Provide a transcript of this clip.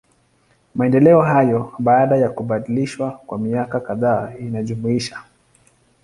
Maendeleo hayo, baada ya kubadilishwa kwa miaka kadhaa inajumuisha.